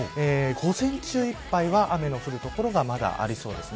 午前中いっぱいは雨の降る所がまだありそうです。